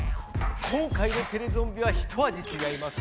今回のテレゾンビはひとあじちがいます。